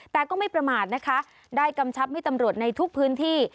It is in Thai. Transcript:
แต่ก็ไม่ประมาทนะคะได้กำชับให้ตำรวจในทุกพื้นที่